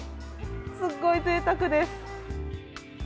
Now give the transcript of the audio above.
すごいぜいたくです。